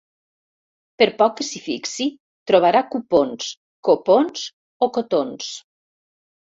Per poc que s'hi fixi trobarà cupons, copons o cotons.